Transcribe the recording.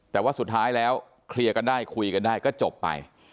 แต่ว่าสุดท้ายแล้วเคลียร์กันได้คุยกันได้ก็จบไป